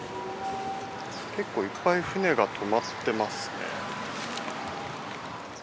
結構いっぱい船がとまってますね。